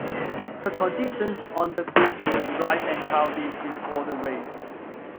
The conditions on the grid were dry and cloudy before the race.